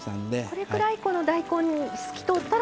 これくらい大根透き通ったら。